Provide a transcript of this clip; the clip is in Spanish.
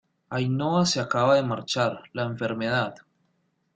Ainhoa se acaba de marchar, la enfermedad...